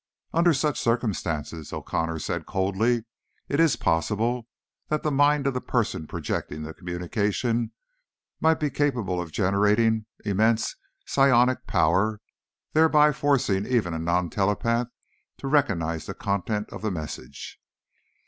"Under such circumstances," O'Connor said coldly, "it is possible that the mind of the person projecting the communication might be capable of generating immense psionic power, thereby forcing even a non telepath to recognize the content of the message."